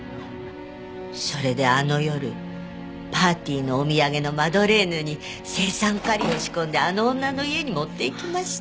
それであの夜パーティーのお土産のマドレーヌに青酸カリを仕込んであの女の家に持って行きました。